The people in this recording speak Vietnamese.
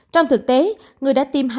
trong thực tế người đã tiêm omicron